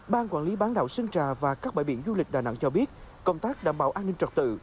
ban quản lý bán đảo sơn trà và các bãi biển du lịch đà nẵng cho biết công tác đảm bảo an ninh trật tự